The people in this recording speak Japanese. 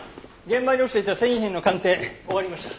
現場に落ちていた繊維片の鑑定終わりました。